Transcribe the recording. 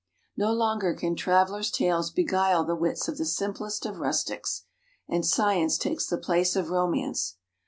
No longer can travelers' tales beguile the wits of the simplest of rustics; and science takes the place of romance.